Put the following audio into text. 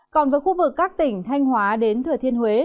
còn với khu vực các tỉnh thanh hóa đến thừa thiên huế